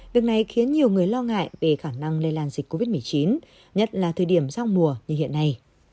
việc này khiến nhiều người lo ngại về khả năng lây lan dịch covid một mươi chín nhất là thời điểm giao mùa như hiện nay